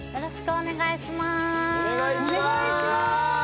お願いしまーす！